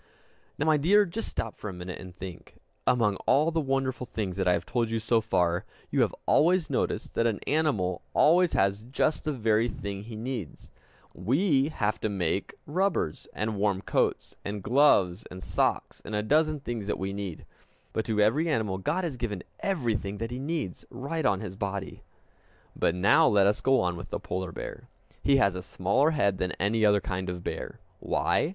Now, my dear, just stop for a minute, and think. Among all the wonderful things that I have told you so far, you have always noticed that an animal always has just the very thing he needs! We have to make rubbers, and warm coats, and gloves, and socks, and a dozen things that we need. But to every animal God has given everything that he needs, right on his body. But now let us go on with the polar bear. He has a smaller head than any other kind of bear. Why?